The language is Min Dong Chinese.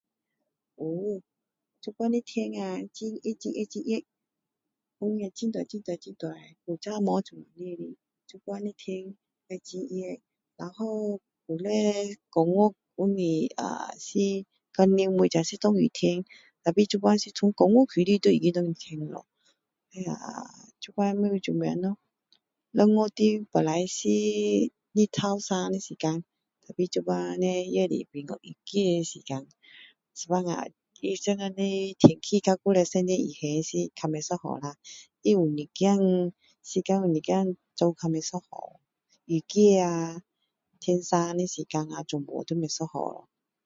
有现在的天啊很热很热很热风也很大很大很大以前没这样的现在的天很热然后以前九月不是呃是到年尾才是下雨天可是现在是从九月开始就雨出来了那现在不知道做么咯六月中本来是太阳炎热的时间可是现在叻也是变成雨季时间有时候它现在的天气那十年以前的较不一样啦它一点时间有一点走较不一样了雨季啊炎热的时间啊全部都不一样了